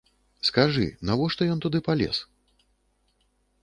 Скажы, навошта ён туды палез?